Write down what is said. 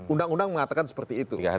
undang undang mengatakan seperti itu